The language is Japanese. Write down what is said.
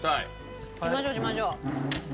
しましょうしましょう。